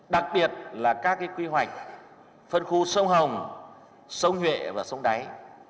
đặc biệt là các cái quy hoạch phân khu sông hồng sông nhuệ và sông đáy